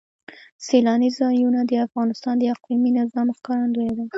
سیلانی ځایونه د افغانستان د اقلیمي نظام ښکارندوی ده.